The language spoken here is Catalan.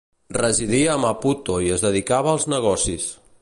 Residia a Maputo i es dedicava als negocis.